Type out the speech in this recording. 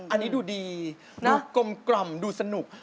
อันนี้ดูดีดูกรมกร่ำดูสนุก